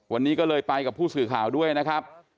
วันนี้ก็เลยไปกับผู้สื่อข่าวด้วยนะครับ